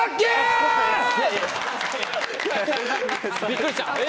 びっくりした。